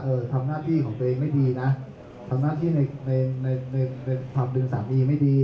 ทำหน้าที่ของตัวเองไม่ดีนะทำหน้าที่ในในในความเป็นสามีไม่ดี